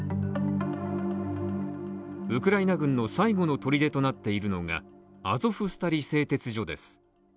ウクライナ軍の最後の砦となっているのが、アゾフスタリ製鉄所です。